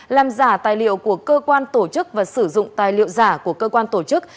làm giả tài liệu của cơ quan tổ chức và sử dụng tài liệu giả của cơ quan tổ chức